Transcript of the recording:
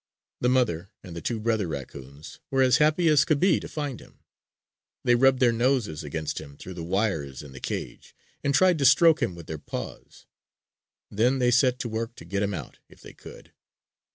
The mother and the two brother raccoons were as happy as could be to find him! They rubbed their noses against him through the wires in the cage, and tried to stroke him with their paws. Then they set to work to get him out, if they could.